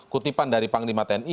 kutipan dari panglima tni